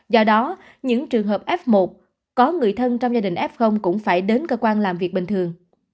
do đó những trường hợp f một có người thân trong gia đình f cũng phải đến cơ quan làm việc bình thường